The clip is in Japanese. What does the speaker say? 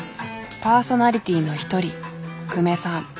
パーソナリティーの一人久米さん。